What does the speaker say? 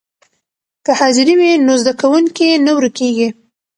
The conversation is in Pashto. که حاضري وي نو زده کوونکی نه ورکېږي.